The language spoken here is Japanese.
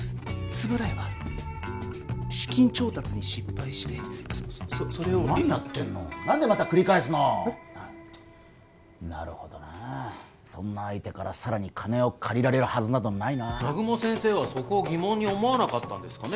円谷は資金調達に失敗してそそれを何やってんの何でまた繰り返すのなるほどなそんな相手からさらに金を借りられるはずなどないな南雲先生はそこを疑問に思わなかったんですかね